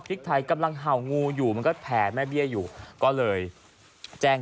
พริกไทยกำลังเห่างูอยู่มันก็แผ่แม่เบี้ยอยู่ก็เลยแจ้ง